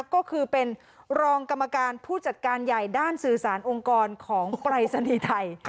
ก็คือเป็นรองกรรมการผู้จัดการใหญ่ด้านสื่อสารองค์กรของปรายศนีย์ไทย